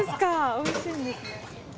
おいしいんですね。